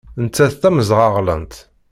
Nettat d tameẓraɣlant.